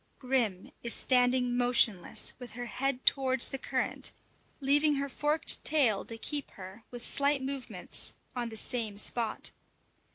Grim is standing motionless with her head towards the current, leaving her forked tail to keep her, with slight movements, on the same spot.